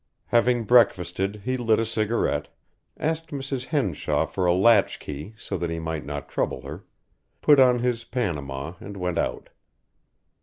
Having breakfasted he lit a cigarette, asked Mrs. Henshaw for a latch key so that he might not trouble her, put on his panama and went out.